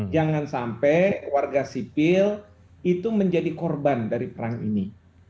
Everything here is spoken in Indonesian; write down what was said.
jangan sampai warga sipil itu menjadi korban dari perang ini